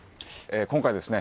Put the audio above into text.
今回はですね